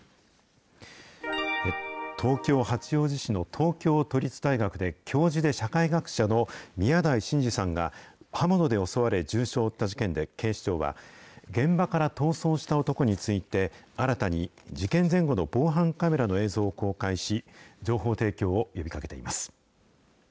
東京・八王子市の東京都立大学で、教授で社会学者の宮台真司さんが、刃物で襲われ重傷を負った事件で警視庁は、現場から逃走した男について、新たに事件前後の防犯カメラの映像を公開し、情報提供を呼びかけています。